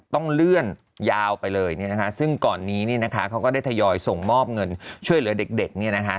ต้องเลื่อนยาวไปเลยเนี่ยนะคะซึ่งก่อนนี้เนี่ยนะคะเขาก็ได้ทยอยส่งมอบเงินช่วยเหลือเด็กเนี่ยนะคะ